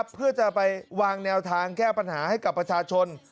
เพื่อจะไปวางแนวทางแก้ปัญหาให้กับประชาชน